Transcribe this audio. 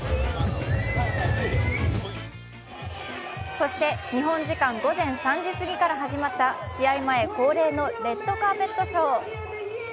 そして日本時間午前３時過ぎから始まった試合前恒例のレッドカーペットショー。